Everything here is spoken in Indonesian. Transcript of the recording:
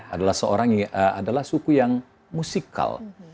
adalah suku yang musikal